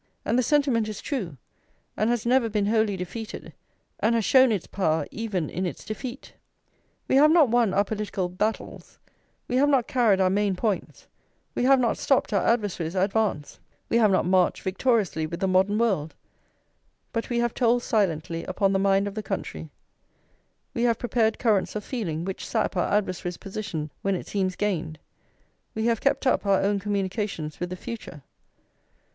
And the sentiment is true, and has never been wholly defeated, and has shown its power even in its defeat. We have not won our political battles, we have not carried our main points, we have not stopped our adversaries' advance, we have not marched victoriously with the modern world; but we have told silently upon the mind of the country, we have prepared currents of feeling which sap our adversaries' position when it seems gained, we have kept up our own communications with the future.